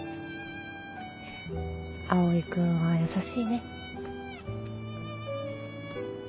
蒼君は優しいね。